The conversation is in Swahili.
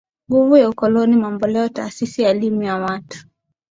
nguvu ya ukoloni mamboleo Taasisi ya Elimu ya Watu